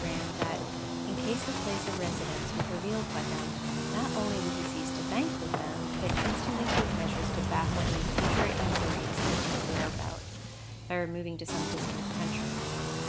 Graham that, in case his place of residence was revealed by them, not only would he cease to bank with them, but instantly take measures to baffle any future inquiries as to his whereabouts, by removing to some distant country.